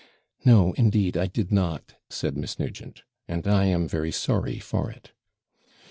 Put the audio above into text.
'No, indeed, I did not!' said Miss Nugent; 'and I am very sorry for it.'